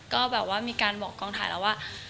ก็แบบว่ามีการบอกกองถ่ายแล้วว่า